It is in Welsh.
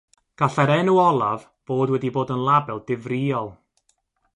Gallai'r enw olaf fod wedi bod yn label difrïol.